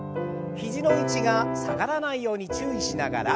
肘の位置が下がらないように注意しながら。